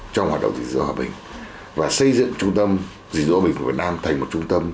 trong hoạt động gìn giữ hòa bình và xây dựng trung tâm gìn giữ hòa bình của việt nam thành một trung tâm